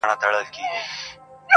غواړم یوازي در واري سمه جانان یوسفه -